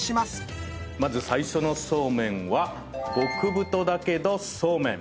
まず最初のそうめんは極太だけどそうめん。